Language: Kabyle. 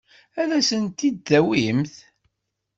Ad as-tent-id-tawimt?